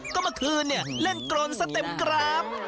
ก็เมื่อคืนเล่นกลนสเต็มกราบ